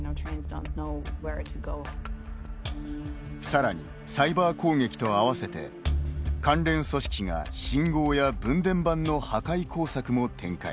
さらに、サイバー攻撃と合わせて、関連組織が信号や分電盤の破壊工作も展開。